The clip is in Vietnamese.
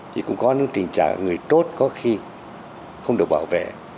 thì cũng có những tình trạng người tốt có khi không được bảo vệ